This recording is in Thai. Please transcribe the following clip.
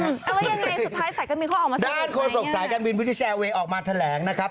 เอาละยังไงสุดท้ายใส่กันมีข้อออกมาด้านโค้งศักดิ์สายการวินวิทยาแชร์เวย์ออกมาแถลงนะครับ